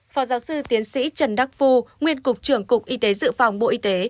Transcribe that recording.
phó giáo sư tiến sĩ trần đắc phu nguyên cục trưởng cục y tế dự phòng bộ y tế